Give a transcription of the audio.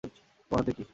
তোমার হাতে কী?